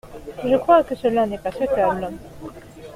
Je crois que cela n’est pas souhaitable.